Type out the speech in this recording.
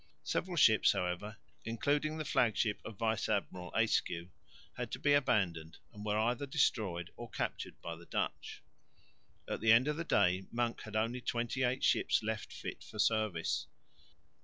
Several ships, however, including the flag ship of Vice Admiral Ayscue, had to be abandoned and were either destroyed or captured by the Dutch. At the end of the day Monk had only twenty eight ships left fit for service.